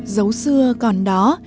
dấu xưa còn đó